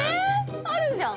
あるじゃん！